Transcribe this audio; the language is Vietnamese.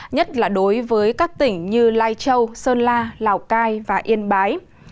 nhất là đối với các tỉnh như lai châu sơn la lào cai và yên bái